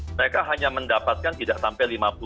mereka hanya mendapatkan tidak sampai